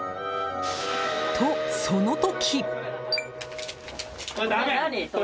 と、その時！